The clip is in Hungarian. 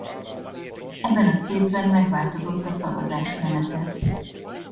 Ebben az évben megváltozott a szavazás menete.